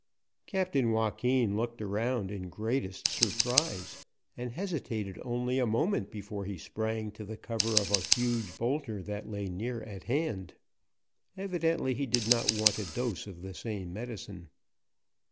Captain Joaquin looked around in greatest surprise, and hesitated only a moment before he sprang to the cover of a huge boulder that lay near at hand. Evidently he did not want a dose of the same medicine.